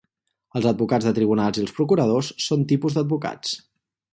Els advocats de tribunals i els procuradors són tipus d'advocats.